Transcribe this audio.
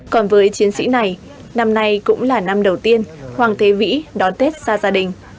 còn với chiến sĩ này năm nay cũng là năm đầu tiên hoàng thế vĩ đón tết xa gia đình